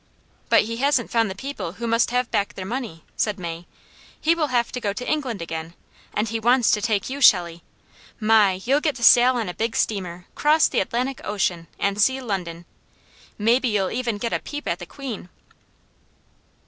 "But he hasn't found the people who must have back their money," said May. "He will have to go to England again. And he wants to take you, Shelley. My! You'll get to sail on a big steamer, cross the Atlantic Ocean, and see London. Maybe you'll even get a peep at the Queen!"